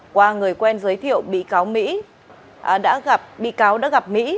qua người quen giới thiệu bị cáo đã gặp mỹ